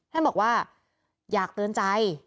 ท่านบอกว่าอยากเตือนใจ